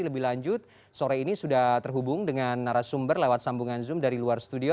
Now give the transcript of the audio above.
lebih lanjut sore ini sudah terhubung dengan narasumber lewat sambungan zoom dari luar studio